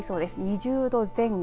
２０度前後。